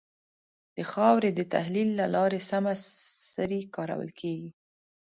د خاورې د تحلیل له لارې سمه سري کارول کېږي.